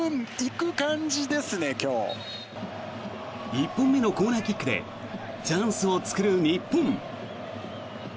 １本目のコーナーキックでチャンスを作る日本。